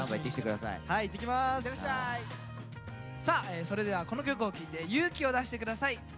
さあそれではこの曲を聴いて勇気を出して下さい。